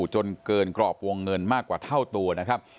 จนเกินกรอบวงเงินมากกว่าเท่าตัวนะครับ